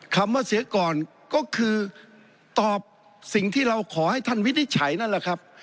คำว่าเสียก่อนก็คือตอบสิ่งที่เราขอให้ท่านวินิจฉัยนั่นแหละครับ